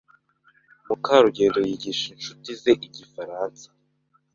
Mukarugendo yigisha inshuti ze Igifaransa.